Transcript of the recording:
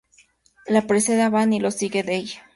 Lo precede abán y lo sigue dey.